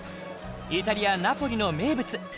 イタリア・ナポリの名物。